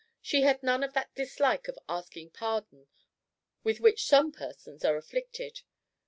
She had none of that dislike of asking pardon with which some persons are afflicted.